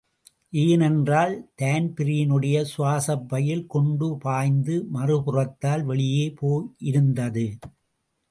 ஏனென்றால் தான்பிரீனுடைய சுவாசப்பையில் குண்டு பாய்ந்து மறுபுறத்தால் வெளியே போயிருதது.